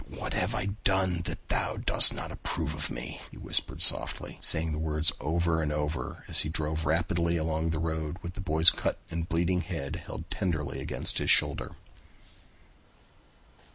"What have I done that Thou dost not approve of me," he whispered softly, saying the words over and over as he drove rapidly along the road with the boy's cut and bleeding head held tenderly against his shoulder.